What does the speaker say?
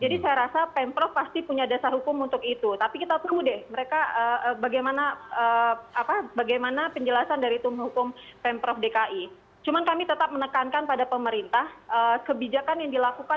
jadi saya rasa pemprov pasti punya dasar hukum untuk itu tapi kita deng